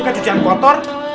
kayak cucian kotor